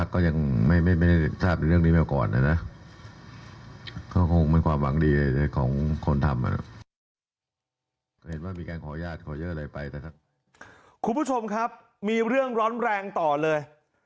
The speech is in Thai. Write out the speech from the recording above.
คุณผู้ชมครับมีเรื่องร้อนแรงต่อเลย